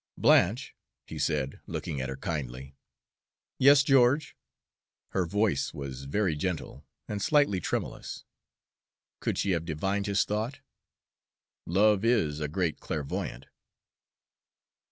"Blanche," he said, looking at her kindly. "Yes, George?" Her voice was very gentle, and slightly tremulous. Could she have divined his thought? Love is a great clairvoyant.